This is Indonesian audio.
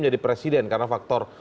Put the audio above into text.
menjadi presiden karena faktor